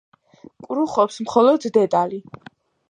კრუხობს მხოლოდ დედალი.